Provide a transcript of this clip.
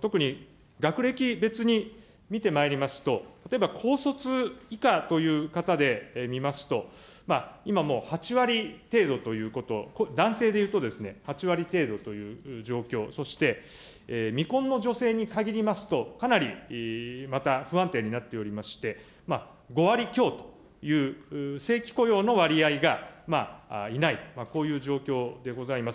特に学歴別に見てまいりますと、例えば高卒以下という方で見ますと、今もう、８割程度ということ、男性でいうとですね、８割程度という状況、そして、未婚の女性に限りますと、かなりまた不安定になっておりまして、５割強という正規雇用の割合がいない、こういう状況でございます。